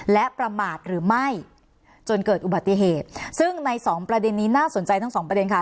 และประมาทหรือไม่จนเกิดอุบัติเหตุซึ่งในสองประเด็นนี้น่าสนใจทั้งสองประเด็นค่ะ